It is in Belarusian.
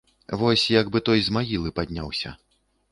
Вось як бы той з магілы падняўся.